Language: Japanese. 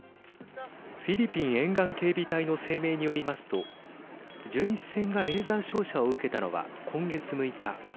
フィリピン沿岸警備隊の声明によりますと巡視船がレーザー照射を受けたのは今月６日。